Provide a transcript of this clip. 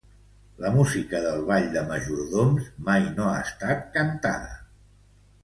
La música del ball de majordoms mai no ha estat cantada.